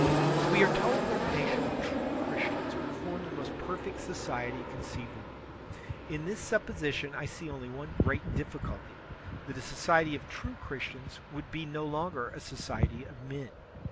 We are told that a nation of true Christians would form the most perfect society conceivable. In this supix)sition I see only one great diflBculty — that a so ciety of true Christians would be no longer a society of men.